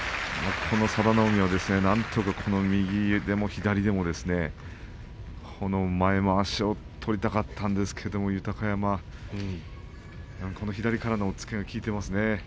佐田の海は右でも左でも前まわしを取りたかったんですけれども、豊山この左からの押っつけが効いていますね。